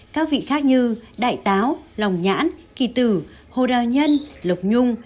các vị khác như đại táo lòng nhãn kỳ tử hồ đào nhân lộc nhung